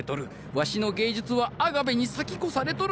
わしの芸術はアガベに先越されとる。